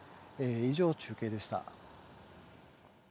以上、中継でした。